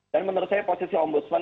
dan menurut saya posisi om budsman